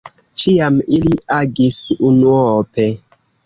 Ĉiam ili agis unuope.